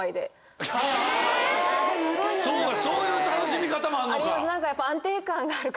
そういう楽しみ方もあんのか。